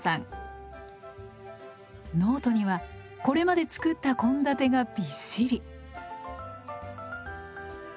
ノートにはこれまで作った献立がびっしり。